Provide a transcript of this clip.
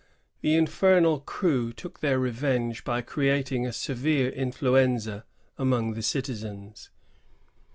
The infernal crew took their revenge by creating a severe influenza among the citizens.